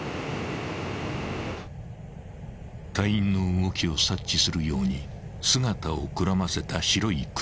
［隊員の動きを察知するように姿をくらませた白い車］